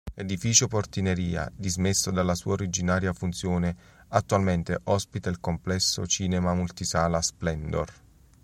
L'edificio-portineria, dismesso dalla sua originaria funzione, attualmente ospita il complesso cinema multisala "Splendor".